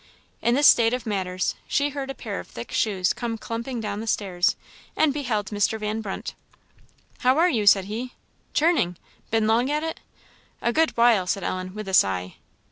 In this state of matters she heard a pair of thick shoes come clumping down the stairs, and beheld Mr. Van Brunt. "Here you are!" said he. "Churning! Been long at it?" "A good while," said Ellen, with a sigh.